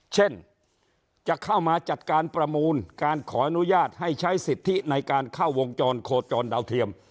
เช่นจะเข้ามาจัดการประมูลการขออนุญาตให้ใช้สิทธิในการเข้าวงจรโคจรดาวเทียม